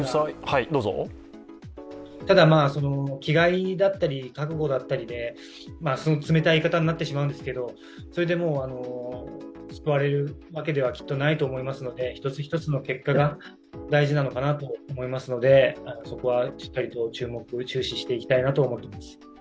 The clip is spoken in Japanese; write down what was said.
ただ、気概だったり覚悟だったりで冷たい言い方になってしまうんですけどそれで救われるわけではきっとないと思うので一つ一つの結果が大事なのかなと思いますのでそこはしっかりと注目・注視していきたいなと思います。